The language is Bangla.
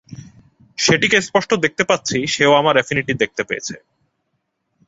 সেটিকে স্পষ্ট দেখতে পাচ্ছি, সেও আমার অ্যাফিনিটি দেখতে পেয়েছে।